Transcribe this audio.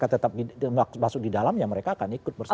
tetap masuk di dalam ya mereka akan ikut bersama